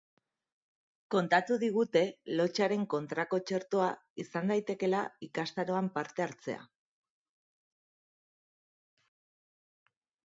Kontatu digute lotsaren kontrako txertoa izan daitekeela ikastaroan parte hartzea.